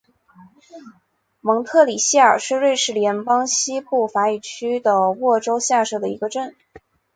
蒙特里谢尔是瑞士联邦西部法语区的沃州下设的一个镇。